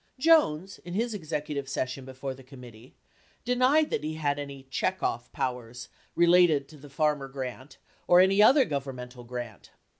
Jones, in his executive session before the committee, denied that he had any "check off" powers relating to the F armer grant or any other governmental grant.